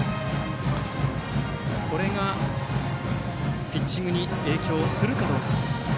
これがピッチングに影響するかどうか。